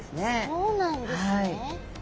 そうなんですね！